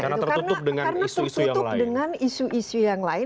karena tertutup dengan isu isu yang lain